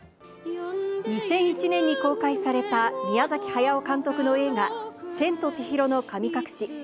２００１年に公開された宮崎駿監督の映画、千と千尋の神隠し。